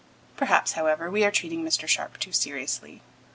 Perhaps, however, we are treating Mr. Sharp too seriously.